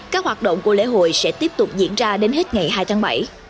các hoạt động của lễ hội sẽ tiếp tục diễn ra đến hết ngày hai tháng bảy